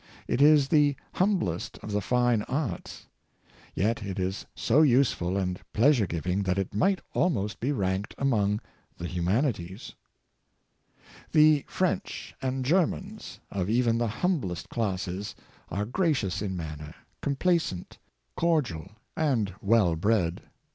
It is the humblest of the fine arts, yet it is so useful and pleasure giving that it might al most be ranked among the humanities. The French and Germans, of even the humblest classes, are gracious in manner, complaisant, cordial, 34 530 Good Taste, and well bred.